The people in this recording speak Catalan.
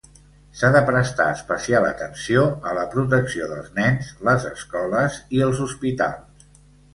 S'ha de prestar especial atenció a la protecció dels nens, les escoles i els hospitals.